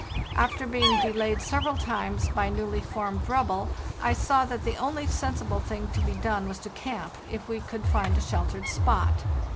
After being de layed several times by newly formed rubble, I saw that the only sensible thing to be done was to camp, if we could find a sheltered spot.